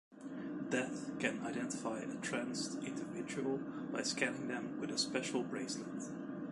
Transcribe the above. Deth can identify a tranced individual by scanning them with a special bracelet.